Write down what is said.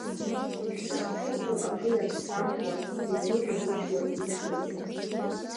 Уԥсы зқәуҵо акы иаԥсамкәа, ргәы дамыхьуа иԥсуагьы.